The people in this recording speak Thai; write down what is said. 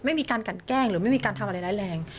ไม่มีการกันแกล้งหรือไม่มีการทำอะไรร้ายแรง